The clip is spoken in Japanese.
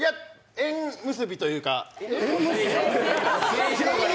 縁結びというか。